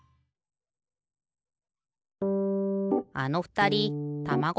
あのふたりたまご